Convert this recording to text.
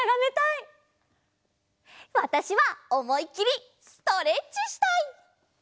わたしはおもいきりストレッチしたい！